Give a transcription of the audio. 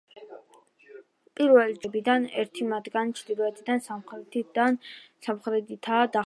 პირველი ჯგუფის ნამოსახლარებიდან ერთი მათგანი ჩრდილოეთიდან სამხრეთითაა დახრილი.